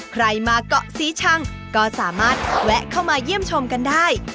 ใครมาเกาะสีชังก็สามารถแวะเข้ามาเยี่ยมชมกันได้